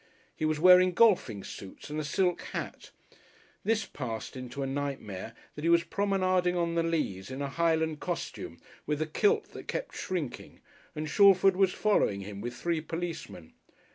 He was wearing golfing suits and a silk hat. This passed into a nightmare that he was promenading on the Leas in a Highland costume, with a kilt that kept shrinking, and Shalford was following him with three policemen.